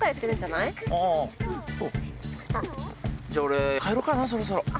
じゃあ俺帰ろうかなそろそろ。